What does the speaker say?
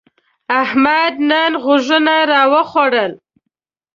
احمد نن غوږونه راوخوړل.